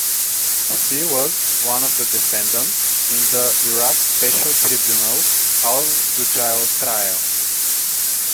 He was one of the defendants in the Iraq Special Tribunal's Al-Dujail trial.